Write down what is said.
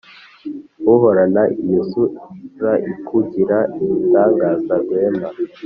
uhorana iyo sura ikugira igitangaza, rwema.